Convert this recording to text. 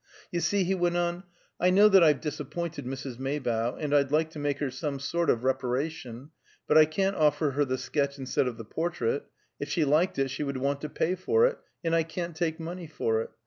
"You see," he went on, "I know that I've disappointed Mrs. Maybough, and I'd like to make her some sort of reparation, but I can't offer her the sketch instead of the portrait; if she liked it she would want to pay for it, and I can't take money for it.